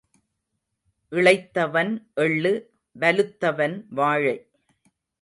இளைத்தவன் எள்ளு வலுத்தவன் வாழை.